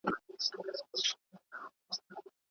ما په تېره اونۍ کې هیڅ ډول توده ډوډۍ نه ده خوړلې.